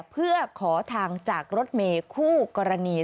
เพื่อขอทางจากรถเมย์คู่กรณี